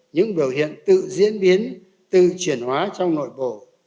những biểu hiện tự diễn biến tự chuyển hóa trong nội bộ